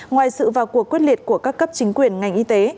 ngoài sự vào cuộc quyết liệt của các cấp chính quyền ngành y tế